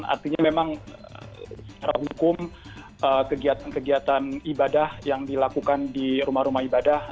artinya memang secara hukum kegiatan kegiatan ibadah yang dilakukan di rumah rumah ibadah